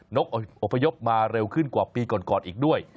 นกอบพยพมาเร็วขึ้นกว่าปีก่อนอีกด้วย